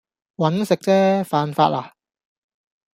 搵食啫，犯法呀